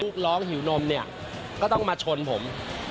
ลูกร้องหิวนมเนี่ยก็ต้องมาชนผม